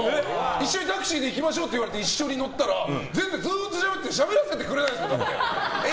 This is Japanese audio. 一緒にタクシーで行きましょうって言って一緒に乗ったらずっとしゃべっててしゃべらせてくれないの。